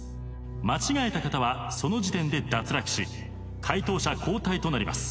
間違えた方はその時点で脱落し解答者交代となります。